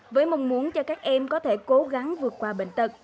với mong muốn cho các em có thể cố gắng vượt qua bệnh tật